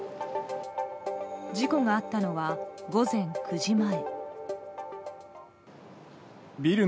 事故があったのは、午前９時前。